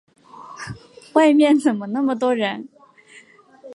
外面怎么那么多人？